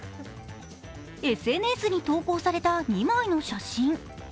ＳＮＳに投稿された２枚の写真。